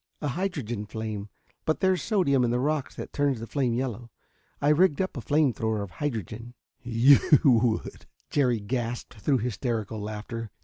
"A hydrogen flame, but there's sodium in the rocks that turns the flame yellow. I rigged up a flame thrower of hydrogen." "You would," Jerry gasped through hysterical laughter.